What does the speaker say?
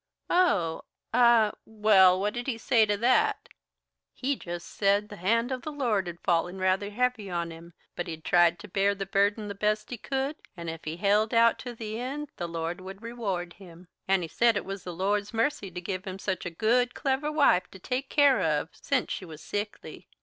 "Oh ah well, what did he say to that?" "He just said the hand of the Lord had fallen rather heavy on him, but he'd tried to bear the burden the best he could, and if he held out to the end the Lord would reward him. And he said it was the Lord's mercy to give him such a good, clever wife to take care of since she was sickly.